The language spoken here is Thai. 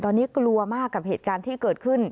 ตอนนี้กลัวมากกับเหตุการณ์ที่เกิดขึ้น